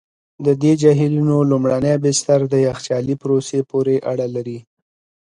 د دې جهیلونو لومړني بستر د یخچالي پروسې پورې اړه لري.